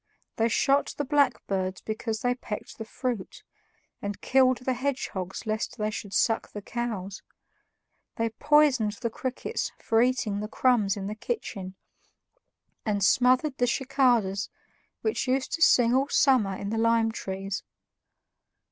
They shot the blackbirds because they pecked the fruit, and killed the hedgehogs lest they should suck the cows; they poisoned the crickets for eating the crumbs in the kitchen, and smothered the cicadas which used to sing all summer in the lime trees.